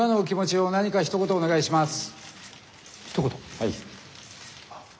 はい。